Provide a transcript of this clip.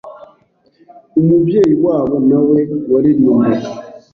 umubyeyi wabo na we waririmbaga.